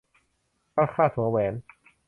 ผักคราดหัวแหวน